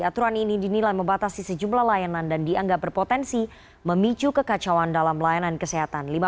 aturan ini dinilai membatasi sejumlah layanan dan dianggap berpotensi memicu kekacauan dalam layanan kesehatan